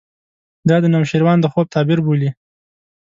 دا د نوشیروان د خوب تعبیر بولي.